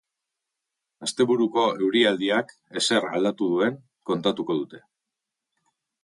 Asteburuko eurialdiak ezer aldatu duen kontatuko dute.